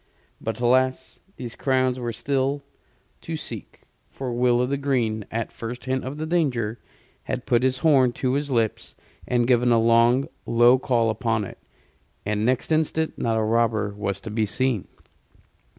But alas! these crowns were still to seek; for Will o' th' Green, at first hint of the danger, had put his horn to his lips and given a long, low call upon it, and next instant not a robber was to be seen.